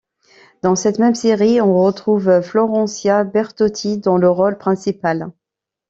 Dans cette même série, on retrouve Florencia Bertotti dans le rôle principal.